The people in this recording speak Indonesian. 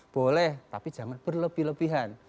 boleh tapi jangan berlebih lebihan